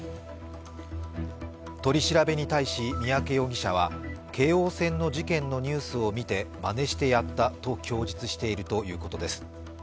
取り調べに対し、三宅容疑者は京王線の事件のニュースを見て、まねしてやったと供述しているということです。